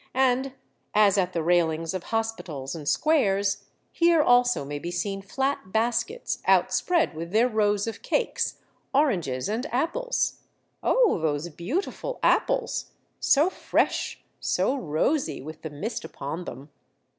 And as at the railings of hospitals and squares, here also may be seen flat baskets outspread with their rows of cakes, oranges, and apples. Oh ! those beautiful apples, — so fresh, so rosy, with the mist upon them.